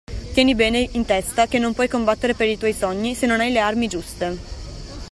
Tieni bene in testa che non puoi combattere per i tuoi sogni se non hai le armi giuste.